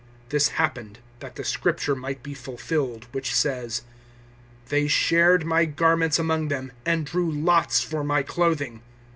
This happened that the Scripture might be fulfilled which says, "They shared my garments among them, and drew lots for my clothing."